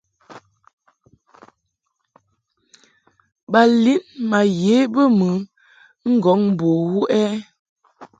Ba lin ma ye bə mɨ ŋgɔŋ bo wuʼ ɛ ?